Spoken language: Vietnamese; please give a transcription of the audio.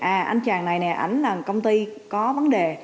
à anh chàng này nè ảnh là công ty có vấn đề